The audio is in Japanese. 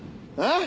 ああ。